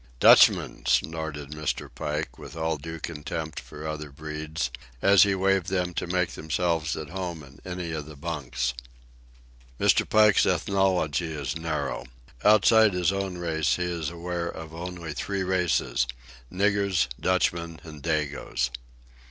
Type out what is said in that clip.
"Dutchmen," snorted Mr. Pike, with all due contempt for other breeds, as he waved them to make themselves at home in any of the bunks. Mr. Pike's ethnology is narrow. Outside his own race he is aware of only three races: niggers, Dutchmen, and Dagoes.